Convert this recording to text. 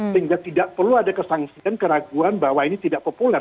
sehingga tidak perlu ada kesangsian keraguan bahwa ini tidak populer